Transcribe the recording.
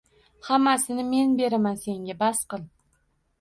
Hammasini men beraman senga bas qil.